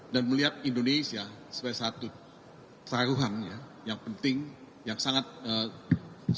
dan melihat indonesia sebagai satu paruhan yang penting yang sangat penting yang penting untuk bapak wight